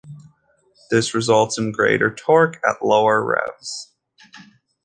This results in greater torque at lower revs.